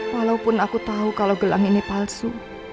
walaupun aku tahu kalau gelang ini palsu